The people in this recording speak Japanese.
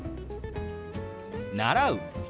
「習う」。